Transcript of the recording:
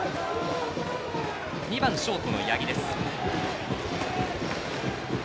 ２番、ショートの八木です。